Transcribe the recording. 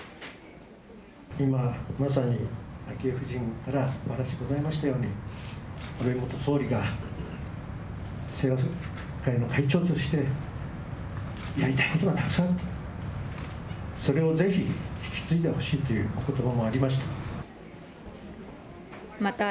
今、まさに昭恵夫人から、お話ございましたように、安倍元総理が、清和会の会長として、やりたいことがたくさんあった、それをぜひ引き継いでほしいというおことばもありました。